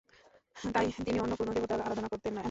তাই তিনি অন্য কোন দেবতার আরাধনা করতেন না।